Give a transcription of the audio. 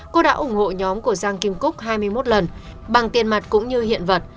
cô đã ủng hộ nhóm của giang kim cúc hai mươi một lần bằng tiền mặt cũng như hiện vật